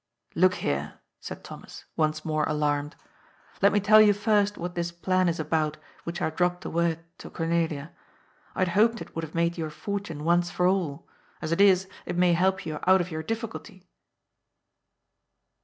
" Look here," said Thomas, once more alarmed. " Let me tell you first what this plan is about which I dropped a word to Cornelia. I had hoped it would have made your fortune once for all. As it is, it may help you out of your difficulty."